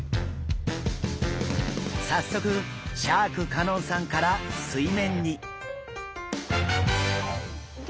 早速シャーク香音さんから水面に。